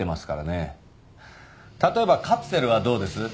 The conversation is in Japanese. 例えばカプセルはどうです？